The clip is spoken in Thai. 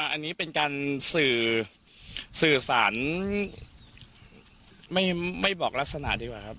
อันนี้เป็นการสื่อสารไม่บอกลักษณะดีกว่าครับ